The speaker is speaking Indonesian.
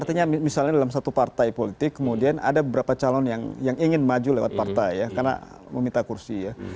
artinya misalnya dalam satu partai politik kemudian ada beberapa calon yang ingin maju lewat partai ya karena meminta kursi ya